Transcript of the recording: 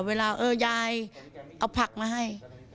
เวลาเออยายเอาผักมาให้